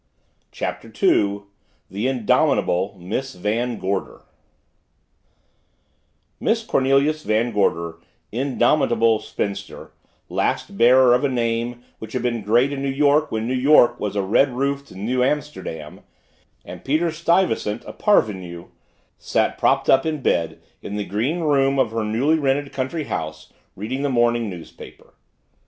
CHAPTER TWO THE INDOMITABLE MISS VAN GORDER Miss Cornelis Van Gorder, indomitable spinster, last bearer of a name which had been great in New York when New York was a red roofed Nieuw Amsterdam and Peter Stuyvesant a parvenu, sat propped up in bed in the green room of her newly rented country house reading the morning newspaper.